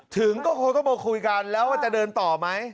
ถึงก็พวกเขามาคุยกันแล้วจะเดินต่อไหม